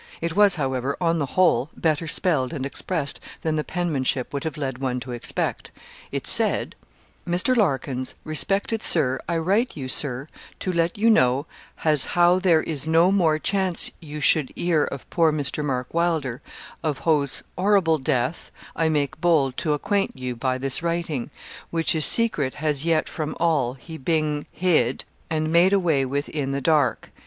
It was, however, on the whole, better spelled and expressed than the penmanship would have led one to expect. It said 'MISTER LARKINS, Respeckted Sir, I write you, Sir, to let you know has how there is no more Chance you shud ear of poor Mr. Mark Wylder of hose orrible Death I make bold to acquainte you by this writing which is Secret has yet from all he bing Hid, and made away with in the dark.